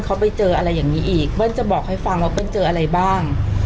เขาไปเจออะไรอย่างนี้อีกเปิ้ลจะบอกให้ฟังว่าเปิ้ลเจออะไรบ้าง